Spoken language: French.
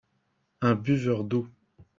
Un buveur d'eau.